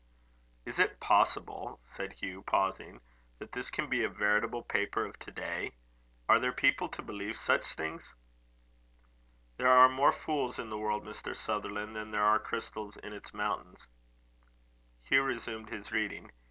"Is it possible," said Hugh, pausing, "that this can be a veritable paper of to day? Are there people to believe such things?" "There are more fools in the world, Mr. Sutherland, than there are crystals in its mountains." Hugh resumed his reading.